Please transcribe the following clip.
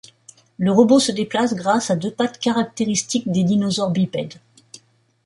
Le robot se déplace grâce à deux pattes caractéristiques des dinosaures bipèdes.